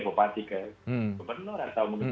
bupati ke benur atau